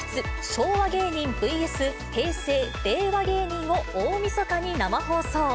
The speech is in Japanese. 昭和芸人ｖｓ平成・令和芸人を大みそかに生放送。